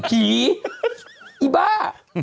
ไอ้ผีไอ้บ้า